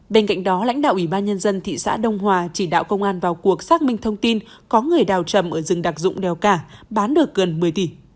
bên cạnh đó lãnh đạo ủy ban nhân dân thị xã đông hòa chỉ đạo công an vào cuộc xác minh thông tin có người đào trầm ở rừng đặc dụng đèo cả bán được gần một mươi tỷ